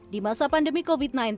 di masa pandemi covid sembilan belas